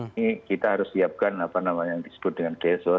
ini kita harus siapkan apa namanya yang disebut dengan gesos atau apapun